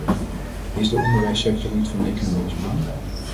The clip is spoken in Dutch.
Is de onderwijssector niet van economisch belang?